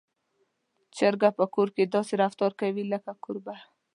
چرګه په کور کې داسې رفتار کوي لکه کوربه.